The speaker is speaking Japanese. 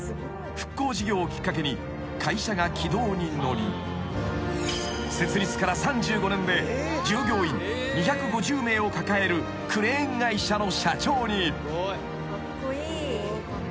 復興事業をきっかけに会社が軌道に乗り設立から３５年で従業員２５０名を抱えるクレーン会社の社長に］